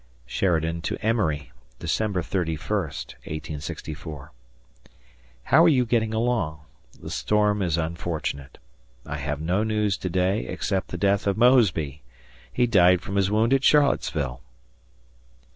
[Sheridan to Emory] December 31, 1864. How are you getting along? The storm is unfortunate. I have no news to day except the death of Mosby. He died from his wound at Charlottesville.